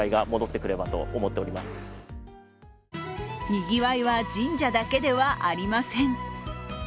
にぎわいは神社だけではありません。